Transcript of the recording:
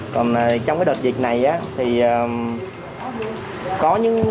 còn trong đợt dịch này thì có những